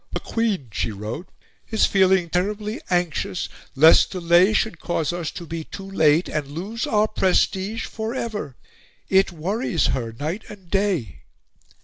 "The Queen," she wrote, "is feeling terribly anxious lest delay should cause us to be too late and lose our prestige for ever! It worries her night and day."